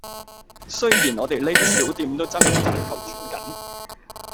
雖然我哋呢啲小店都掙扎求存緊